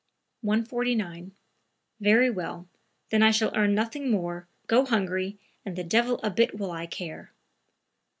149. "Very well; then I shall earn nothing more, go hungry and the devil a bit will I care!"